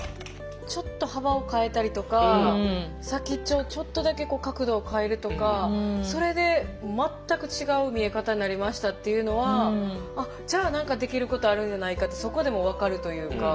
ちょっと幅を変えたりとか先っちょをちょっとだけ角度を変えるとかそれで全く違う見え方になりましたっていうのはじゃあ何かできることあるんじゃないかってそこでもう分かるというか。